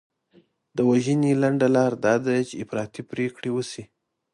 د وژنې لنډه لار دا ده چې افراطي پرېکړې وشي.